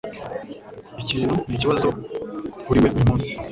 Ikintu ni ikibazo kuri we uyu munsi.